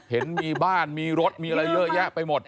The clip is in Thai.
เห็นมีบ้านมีรถมีอะไรเยอะแยะไปหมด